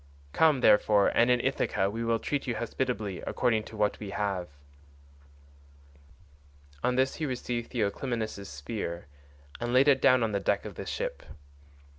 Come, therefore, and in Ithaca we will treat you hospitably according to what we have." On this he received Theoclymenus' spear and laid it down on the deck of the ship.